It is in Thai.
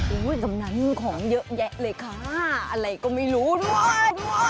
อู้ยซ้ำนั้นของเยอะแยะเลยค่ะอะไรก็ไม่รู้นะ